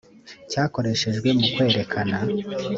cyarakoreshejwe mu kwerekana